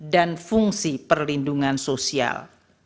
dan fungsi perlindungan sosial